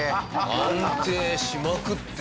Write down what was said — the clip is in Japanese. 安定しまくってる。